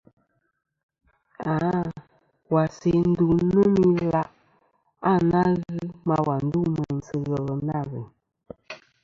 À, wa n-se ndu nô mɨ ilaʼ a nà ghɨ ma wà ndu meyn sɨ ghelɨ nâ ghèyn.